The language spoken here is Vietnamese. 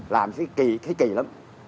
làm sẽ kỳ thấy kỳ lắm